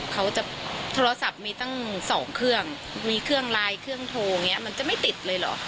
เขาจะโทรศัพท์มีตั้งสองเครื่องมีเครื่องไลน์เครื่องโทรอย่างนี้มันจะไม่ติดเลยเหรอ